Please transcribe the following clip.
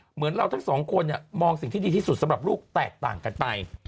เหมือนเราทั้งสองคนมองสิ่งที่ดีที่สุดสำหรับลูกแตกต่างกันไป